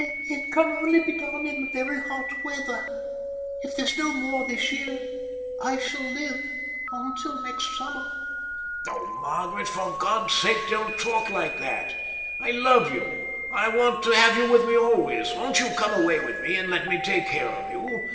"It can only be done in the very hot weather. If there's no more this year, I shall live till next summer." "Oh, Margaret, for God's sake don't talk like that. I love you—I want to have you with me always. Won't you come away with me and let me take care of you?